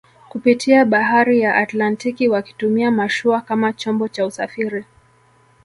kupitia bahari ya Atlantiki wakitumia mashua kama chombo cha usafiri